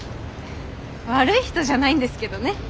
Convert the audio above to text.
悪い人じゃないんですけどね。